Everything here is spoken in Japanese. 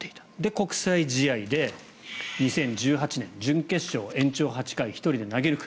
国際試合で２０１８年、準決勝、延長８回１人で投げ抜く。